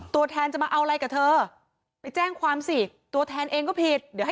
ตัวแทนก็บอกนะว่าไปปรึกษาตำรวจ